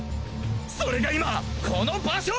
それが今この場所！